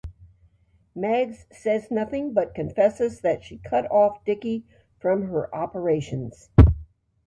Mags says nothing but confesses that she cut off Dickie from her operations.